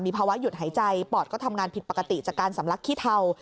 ภาวะหยุดหายใจปอดก็ทำงานผิดปกติจากการสำลักขี้เทา